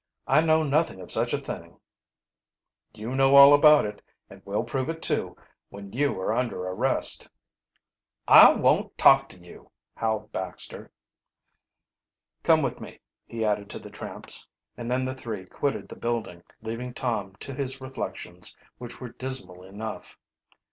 I know nothing of such a thing." "You know all about it. And we'll prove it too when you are under arrest." "I won't talk to you!" howled Baxter. "Come with me," he added to the tramps, and then the three quitted the building, leaving Torn to his reflections, which were dismal enough.